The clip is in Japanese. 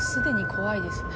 怖いですね。